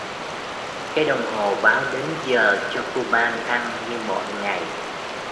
Cái đồng hồ báo đến giờ cho kuman ăn như mọi ngày